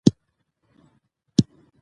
که زه تمرین وکړم، ځواک به زیات شي.